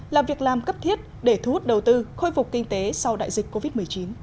là việc làm cấp thiết để thu hút đầu tư khôi phục kinh tế sau đại dịch covid một mươi chín